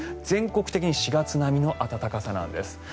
全国的に４月並みの暖かさなんです。